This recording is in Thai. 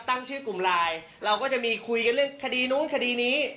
ตั้งชื่อกลุ่มไลน์เราก็จะมีคุยกันเรื่องคดีนู้นคดีนี้